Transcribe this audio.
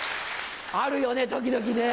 あるよね時々ね。